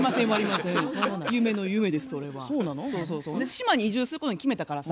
島に移住することに決めたからさ